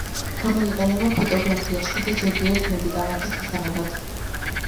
გამოიყენება ფოტოგრაფიაში და ზოგიერთი მედიკამენტის მისაღებად.